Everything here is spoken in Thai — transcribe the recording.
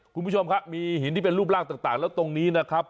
คุณผู้ชมครับมีหินที่เป็นรูปร่างต่างแล้วตรงนี้นะครับ